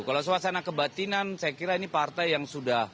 kalau suasana kebatinan saya kira ini partai yang sudah